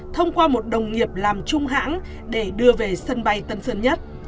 thông qua một đồng nghiệp làm chung hãng để đưa về sân bay tân sơn nhất